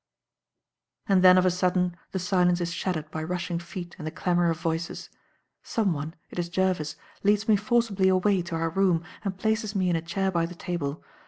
And then of a sudden the silence is shattered by rushing feet and the clamour of voices. Someone it is Jervis leads me forcibly away to our room and places me in a chair by the table.